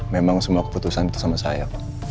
memang semua keputusan itu sama saya pak